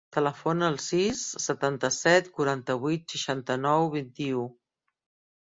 Telefona al sis, setanta-set, quaranta-vuit, seixanta-nou, vint-i-u.